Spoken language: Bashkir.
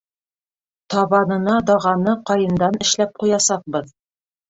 Табанына дағаны ҡайындан эшләп ҡуясаҡбыҙ.